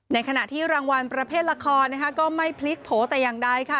ในขณะที่รางวัลประเภทละครนะคะก็ไม่พลิกโผล่แต่อย่างใดค่ะ